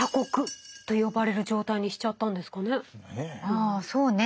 ああそうね。